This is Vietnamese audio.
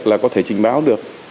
là có thể trình báo được